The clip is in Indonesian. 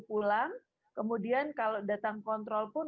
pulang kemudian kalau datang kontrol pun